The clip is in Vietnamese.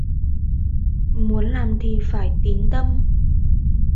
Muốn làm thì phải Tín Tâm